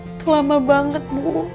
itu lama banget bu